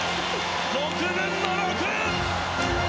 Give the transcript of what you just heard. ６分の６！